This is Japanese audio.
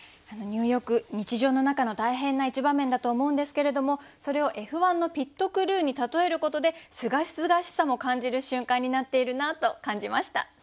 入浴日常の中の大変な一場面だと思うんですけれどもそれをＦ１のピットクルーに例えることですがすがしさも感じる瞬間になっているなと感じました。